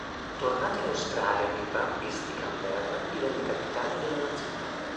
Tornato in Australia nei Brumbies di Canberra divenne capitano della Nazionale.